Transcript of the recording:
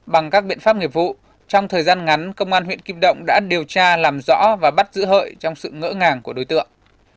bằng các biện pháp nghiệp vụ trong thời gian ngắn công an huyện kim động đã điều tra làm rõ và bắt giữ hợi trong sự ngỡ ngàng của đối tượng